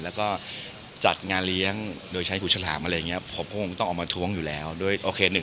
เรื่องเชื้อฐาน